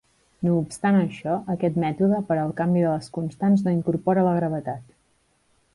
No obstant això, aquest mètode per al canvi de les constants no incorpora la gravetat.